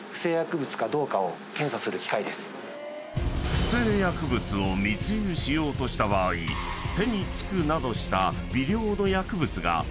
［不正薬物を密輸しようとした場合手に付くなどした］